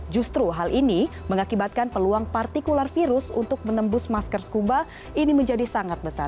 justru hal ini mengakibatkan peluang partikular virus untuk menembus masker scuba ini menjadi sangat besar